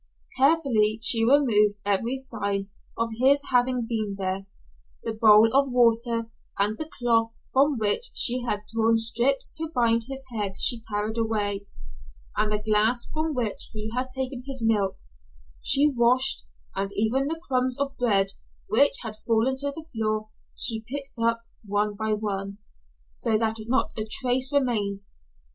Carefully she removed every sign of his having been there. The bowl of water, and the cloth from which she had torn strips to bind his head she carried away, and the glass from which he had taken his milk, she washed, and even the crumbs of bread which had fallen to the floor she picked up one by one, so that not a trace remained.